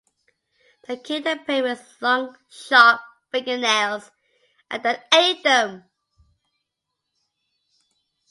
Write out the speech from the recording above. They killed their prey with long, sharp fingernails and then ate them.